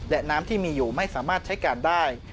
และน้ำที่มีอยู่ไม่สามารถใช้การได้